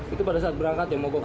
itu pada saat berangkat ya mogoknya